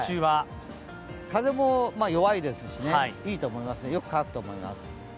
風も弱いですし、いいと思います、よく乾くと思います。